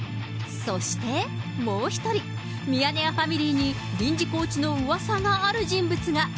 そしてもう一人、ミヤネ屋ファミリーに臨時コーチのうわさがある人物が。